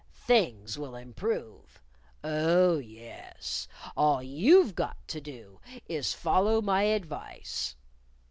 "Things will improve. Oh, yes. All you've got to do is follow my advice."